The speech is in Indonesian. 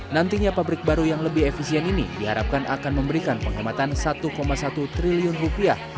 nantinya pabrik baru yang lebih efisien ini diharapkan akan memberikan penghematan satu satu triliun rupiah